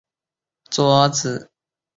但最后这部作品读者甚少。